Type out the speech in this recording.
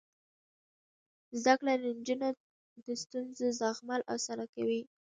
زده کړه د نجونو د ستونزو زغمل اسانه کوي.